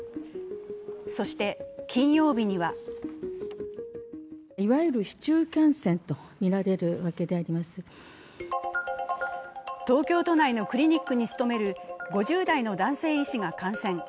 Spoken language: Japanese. そして金曜日には東京都内のクリニックに務める５０代の男性医師が感染。